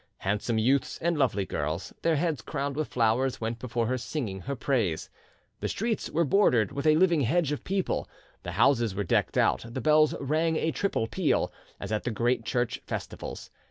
Handsome youths and lovely girls, their heads crowned with flowers, went before her singing her praise. The streets were bordered with a living hedge of people; the houses were decked out; the bells rang a triple peal, as at the great Church festivals.